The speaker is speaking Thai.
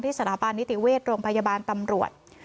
สถาบันนิติเวชโรงพยาบาลตำรวจ